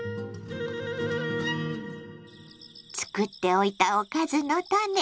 作っておいた「おかずのタネ」